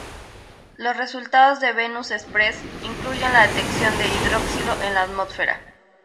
Los resultados de Venus Express incluyen la detección de hidroxilo en la atmósfera.